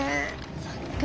そっか。